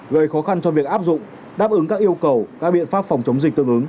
gây khó khăn cho việc áp dụng đáp ứng các yêu cầu các biện pháp phòng chống dịch tương ứng